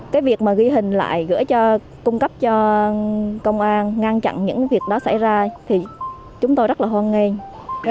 cái việc mà ghi hình lại gửi cho cung cấp cho công an ngăn chặn những việc đó xảy ra thì chúng tôi rất là hoan nghênh